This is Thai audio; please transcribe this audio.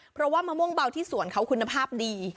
เพราะว่ามะม่วงเบาที่สวนเขาคุณภาพดี